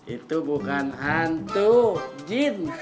itu bukan hantu jin